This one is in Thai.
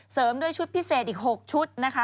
ด้วยชุดพิเศษอีก๖ชุดนะคะ